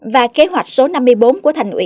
và kế hoạch số năm mươi bốn của tp hcm